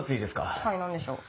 はい何でしょう？